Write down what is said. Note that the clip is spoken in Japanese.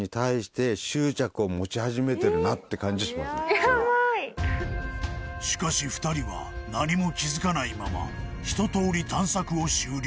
これはしかし二人は何も気づかないままひととおり探索を終了